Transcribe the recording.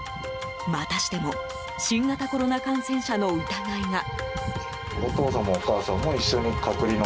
またしても新型コロナ感染者の疑いが。